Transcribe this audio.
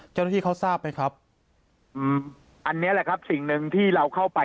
เจ้าหน้าที่เขาทราบไหมครับอืมอันนี้แหละครับสิ่งหนึ่งที่เราเข้าไป